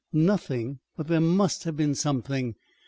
"Nothing! But there must have been something!"